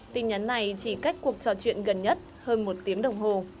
tin nhắn này chỉ cách cuộc trò chuyện gần nhất hơn một tiếng đồng hồ